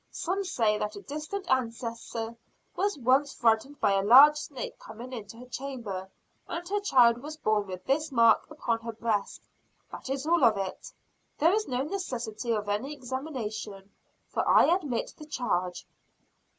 Some say that a distant ancestor was once frightened by a large snake coming into her chamber; and her child was born with this mark upon her breast. That is all of it. There is no necessity of any examination, for I admit the charge."